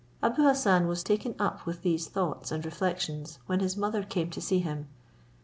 Abou Hassan was taken up with these thoughts and reflections when his mother came to see him.